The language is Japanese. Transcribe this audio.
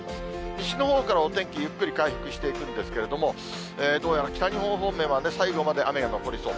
西のほうからお天気、ゆっくり回復していくんですけれども、どうやら北日本方面は、最後まで雨が残りそう。